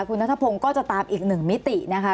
คุณนัทพงศ์ก็จะตามอีกหนึ่งมิตินะคะ